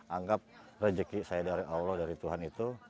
anggap rezeki saya dari allah dari tuhan itu